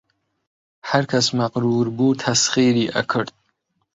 هەرکەس مەغروور بوو تەسخیری ئەکرد